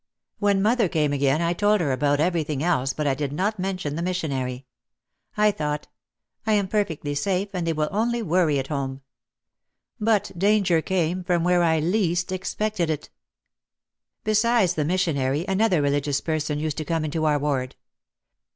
When mother came again I told her about everything else but I did not mention the missionary. I thought, "I am perfectly safe and they will only worry at home." But danger came from where I least expected it. Besides the missionary another religious person used to come into our ward.